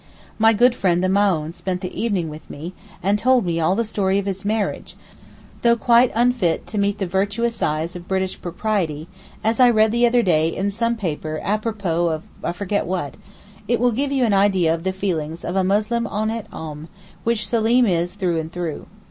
My good friend the Maōhn spent the evening with me, and told me all the story of his marriage, though quite 'unfit to meet the virtuous eyes of British propriety—' as I read the other day in some paper apropos of I forget what—it will give you an idea of the feelings of a Muslim honnête homme, which Seleem is through and through.